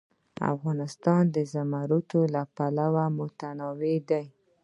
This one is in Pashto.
افغانستان د زمرد له پلوه متنوع دی.